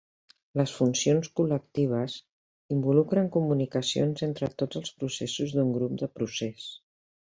Les funcions col·lectives involucren comunicacions entre tots els processos d'un grup de procés.